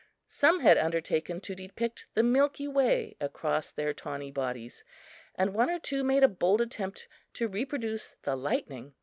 Some had undertaken to depict the Milky Way across their tawny bodies, and one or two made a bold attempt to reproduce the lightning.